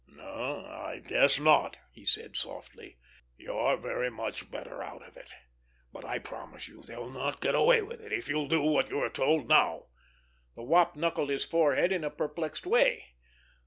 "No, I guess not!" he said softly. "You're very much better out of it. But I promise you they'll not get away with it if you'll do what you are told now." The Wop knuckled his forehead in a perplexed way.